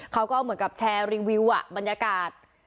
เขาก็เหมือนกับแชร์รีวิวบรรยากาศ